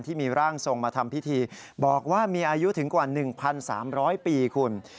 ที่มีร่างทรงมาทำพิธีบอกว่ามีอายุถึงกว่า๑๓๐๐ปีคุณ